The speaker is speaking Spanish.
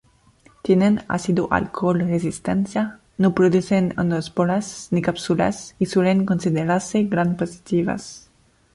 Tienen ácido-alcohol resistencia, no producen endosporas ni cápsulas y suelen considerarse grampositivas.